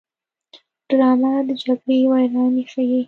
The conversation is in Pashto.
ډرامه د جګړې ویرانۍ ښيي